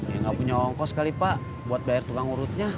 ya nggak punya ongkos kali pak buat bayar tukang urutnya